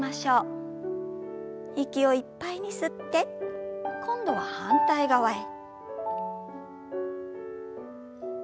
息をいっぱいに吸って今度は反対側へ。